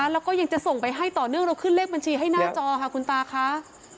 แล้วก็ยังจะส่งไปให้ต่อเนื่องเราขึ้นเลขบัญชีให้หน้าจอค่ะคุณตาค่ะ